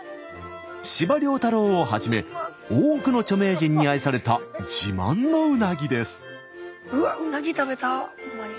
司馬太郎をはじめ多くの著名人に愛された自慢のうなぎです。